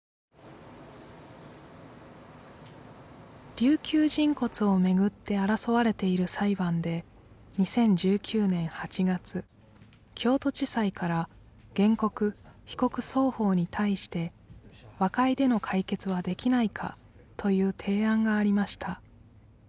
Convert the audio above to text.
琉球人骨をめぐって争われている裁判で２０１９年８月京都地裁から原告・被告双方に対して和解での解決はできないかという提案がありました